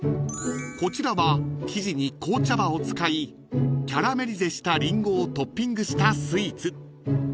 ［こちらは生地に紅茶葉を使いキャラメリゼしたリンゴをトッピングしたスイーツ］